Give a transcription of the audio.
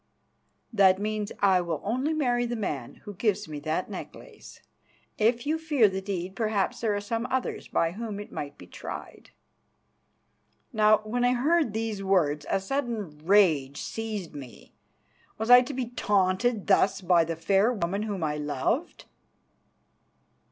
"That means I will only marry the man who gives me that necklace. If you fear the deed, perhaps there are some others by whom it might be tried." Now when I heard these words a sudden rage seized me. Was I to be taunted thus by the fair woman whom I loved?